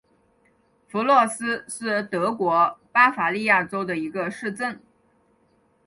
弗洛斯是德国巴伐利亚州的一个市镇。